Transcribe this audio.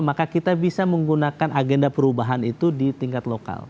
maka kita bisa menggunakan agenda perubahan itu di tingkat lokal